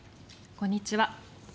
こんにちは。